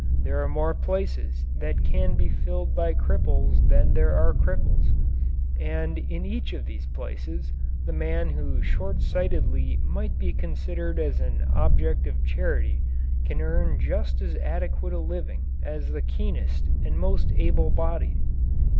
There are more places that can be filled by cripples than there are cripples. And in each of these places the man who short sightedly might be considered as an object of charity can earn just as adequate a living as the keenest and most able bodied.